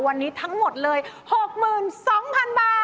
วันนี้ทั้งหมดเลย๖๒๐๐๐บาท